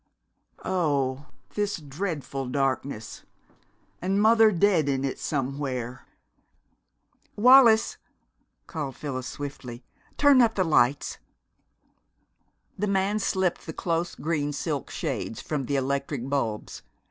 "Oh, this dreadful darkness, and mother dead in it somewhere!" "Wallis," called Phyllis swiftly, "turn up the lights!" The man slipped the close green silk shades from the electric bulbs.